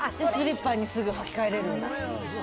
スリッパにすぐ履きかえられるんだ。